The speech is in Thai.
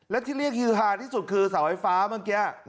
และที่เรียกฮือฮาที่สุดคือเสาไฟฟ้าเมื่อกี้